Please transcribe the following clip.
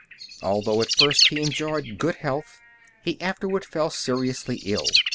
Although at first he enjoyed good health, he afterward fell seriously ill.